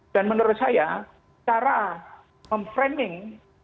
dan menurut saya cara memframing